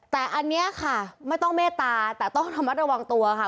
แต่อันนี้ค่ะไม่ต้องเมตตาแต่ต้องระมัดระวังตัวค่ะ